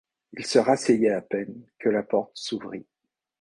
Il se rasseyait à peine que la porte s’ouvrit.